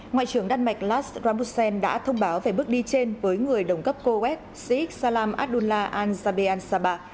ngoại trưởng đan mạch lars rasmussen đã thông báo về bước đi trên với người đồng cấp coes sihik salam abdullah al zabeh al zaba